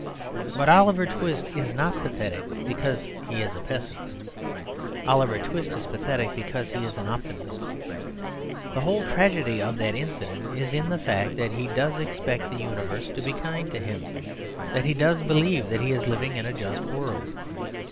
But Oliver Twist is not pathetic because he is a pessimist. Oliver Twist is pathetic because he is an optimist. The whole tragedy of that incident is in the fact that he does expect the universe to be kind to him, that he does believe that he is living in a just world.